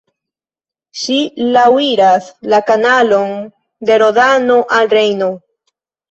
Ŝi laŭiras la kanalon de Rodano al Rejno.